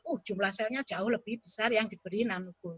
uh jumlah selnya jauh lebih besar yang diberi nanogold